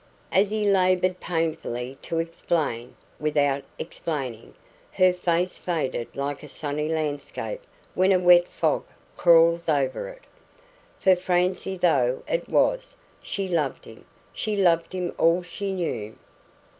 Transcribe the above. As he laboured painfully to explain, without explaining, her face faded like a sunny landscape when a wet fog crawls over it. For, Francie though it was, she loved him she loved him all she knew.